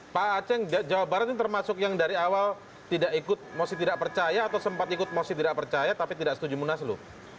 pak aceh jawa barat ini termasuk yang dari awal tidak ikut mosi tidak percaya atau sempat ikut mosi tidak percaya tapi tidak setuju munaslu